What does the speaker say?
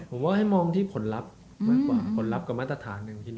ผมว่าให้มองที่ผลลัพธ์มากกว่าผลลัพธ์กับมาตรฐานหนึ่งที่๑